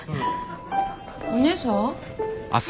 お姉さん？